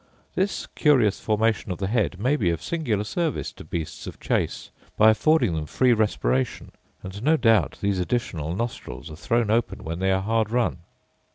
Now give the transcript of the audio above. This curious formation of the head may be of singular service to beasts of chase, by affording them free respiration: and no doubt these additional nostrils are thrown open when they are hard run.